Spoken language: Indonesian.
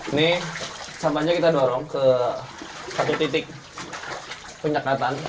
ini sampahnya kita dorong ke satu titik penyekatan